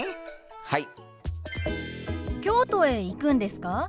はい。